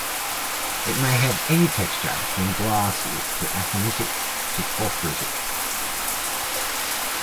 It may have any texture from glassy to aphanitic to porphyritic.